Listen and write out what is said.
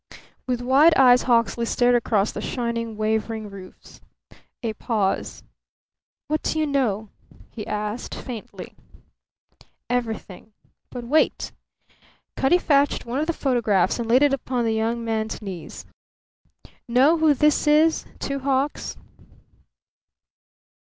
With wide eyes Hawksley stared across the shining, wavering roofs. A pause. "What do you know?" he asked, faintly. "Everything. But wait!" Cutty fetched one of the photographs and laid it upon the young man's knees. "Know who this is Two Hawks?"